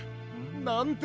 なんて